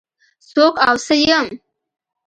څوک او څه يم؟